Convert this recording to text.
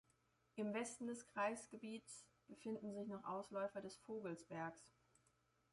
Im Westen des Kreisgebiets befinden sich noch Ausläufer des Vogelsbergs.